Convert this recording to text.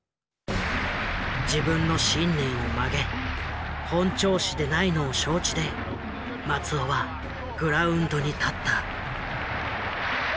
自分の信念を曲げ本調子でないのを承知で松尾はグラウンドに立った。